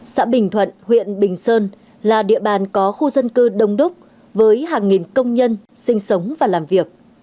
xã bình thuận huyện bình sơn là địa bàn có khu dân cư đông đúc với hàng nghìn công nhân sinh sống và làm việc